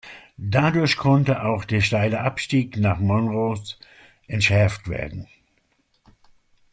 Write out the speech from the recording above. Dadurch konnte auch der steile Abstieg nach Monroe entschärft werden.